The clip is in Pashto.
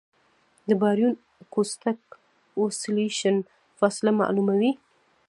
د باریون اکوسټک اوسیلیشن فاصله معلوموي.